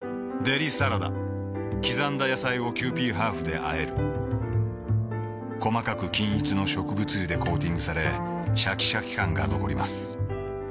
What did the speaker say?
デリサラダ刻んだ野菜をキユーピーハーフであえる細かく均一の植物油でコーティングされシャキシャキ感が残ります